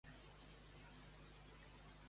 El seu esperit lliure ens inspira a ser autèntics.